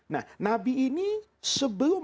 nah nabi ini sebelum